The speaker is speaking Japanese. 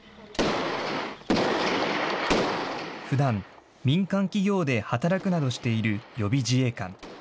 ふだん、民間企業で働くなどしている予備自衛官。